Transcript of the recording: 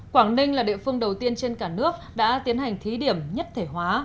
quảng ninh là địa phương đầu tiên trên cả nước đã tiến hành thí điểm nhất thể hóa